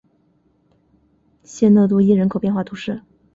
谢讷杜伊人口变化图示